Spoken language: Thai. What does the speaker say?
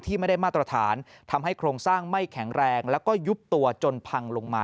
ไม่ได้มาตรฐานทำให้โครงสร้างไม่แข็งแรงแล้วก็ยุบตัวจนพังลงมา